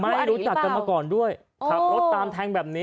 ไม่รู้จักกันมาก่อนด้วยขับรถตามแทงแบบนี้